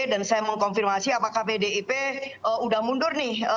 dan saya mengkonfirmasi apakah pdip sudah mundur nih